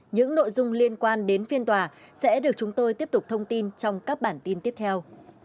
những nội dung liên quan đến phiên tòa sẽ được chúng tôi tiếp tục thông tin trong các bản tin tiếp theo